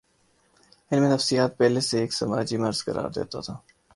علم نفسیات پہلے اسے ایک سماجی مرض قرار دیتا تھا۔